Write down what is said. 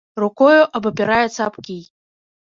Рукою абапіраецца аб кій.